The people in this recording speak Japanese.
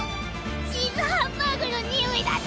チーズハンバーグのにおいだったのに。